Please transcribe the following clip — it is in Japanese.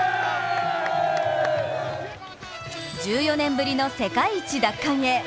１４年ぶりの世界一奪還へ。